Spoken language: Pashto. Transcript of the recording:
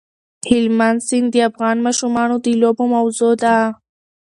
هلمند سیند د افغان ماشومانو د لوبو موضوع ده.